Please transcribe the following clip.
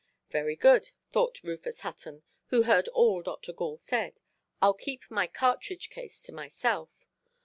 "Very good", thought Rufus Hutton, who heard all Dr. Gall said; "Iʼll keep my cartridge–case to myself.